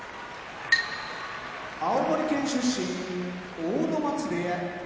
青森県出身阿武松部屋